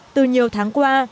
từ nhiều tháng qua